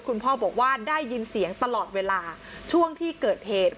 คุณพ่อบอกว่าได้ยินเสียงตลอดเวลาช่วงที่เกิดเหตุ